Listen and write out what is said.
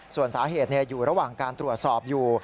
ส่วนสาเหตุอยู่ระหว่างการตรวจสอบอยู่